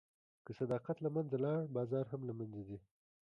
که صداقت له منځه لاړ، بازار هم له منځه ځي.